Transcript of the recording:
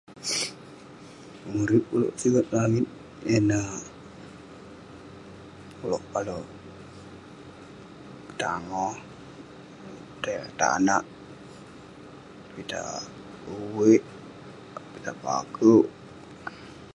Urouk ulouk siget langit, ineh ulouk ale tangoh, ulouk tai tong tanak, pitah uveik, pitah pakouk.